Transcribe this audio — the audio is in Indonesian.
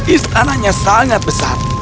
istananya sangat besar